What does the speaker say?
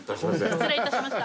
失礼いたしました。